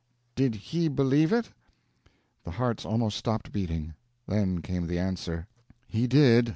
"Did he believe it?" The hearts almost stopped beating. Then came the answer: "He did.